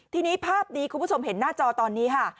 ทีนี้ภาพนี้คุณผู้ชมเห็นหน้าจอตอนนี้ค่ะ